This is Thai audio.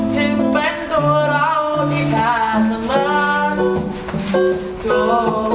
จึงเป็นตัวเราที่น่าเสมอ